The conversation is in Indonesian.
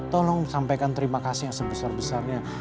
tolong sampaikan terima kasih yang sebesar besarnya